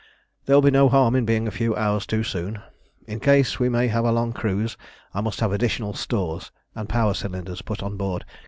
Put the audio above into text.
There will be no harm in being a few hours too soon. In case we may have a long cruise, I must have additional stores, and power cylinders put on board.